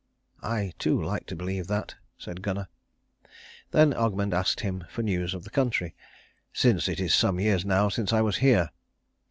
"I, too, like to believe that," said Gunnar. Then Ogmund asked him for news of the country, "since it is some years now since I was here."